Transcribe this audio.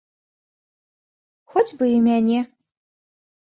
Хоць бы і мяне.